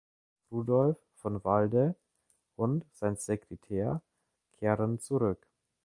Rudolph von Walde und sein Sekretär kehren zurück.